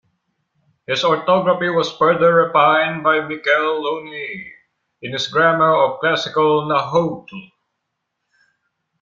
His orthography was further refined by Michel Launey, in his grammar of Classical Nahuatl.